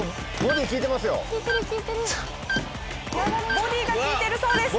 ボディーが効いてるそうです。